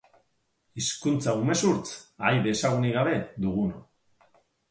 Hizkuntza umezurtz, ahaide ezagunik gabe, duguno.